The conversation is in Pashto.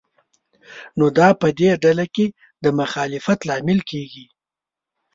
نو دا په دې ډله کې د مخالفت لامل کېږي.